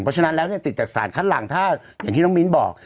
เพราะฉะนั้นแล้วเนี่ยติดจากสารคัดหลังถ้าอย่างที่น้องมิ้นบอก